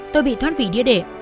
tôi bị thoát vì đi đệ